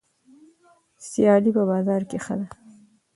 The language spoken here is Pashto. سیالي په بازار کې ښه ده.